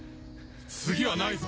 次はないぞ。